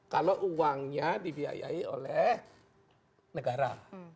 kalau uangnya dibiayai oleh negara